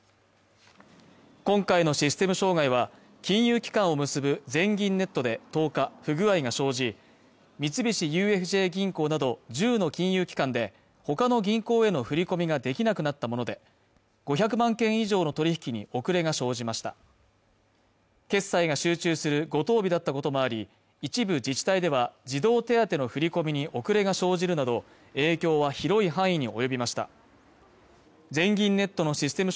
今回のシステム障害は金融機関を結ぶ全銀ネットで１０日不具合が生じ三菱ＵＦＪ銀行など１０の金融機関でほかの銀行への振り込みができなくなったもので５００万件以上の取引に遅れが生じました決済が集中する五・十日だったこともあり一部自治体では児童手当の振り込みに遅れが生じるなど影響は広い範囲に及びました全銀ネットのシステム